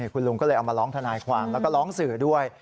คุณลุงก็เลยเอามาร้องทนายความแล้วก็ร้องสื่อด้วย